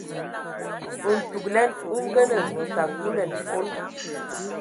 Ntugəlɛn o ngənə təg kulɛn fol.